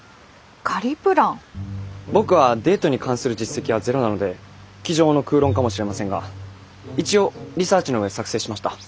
僕はデートに関する実績はゼロなので机上の空論かもしれませんが一応リサーチの上作成しました。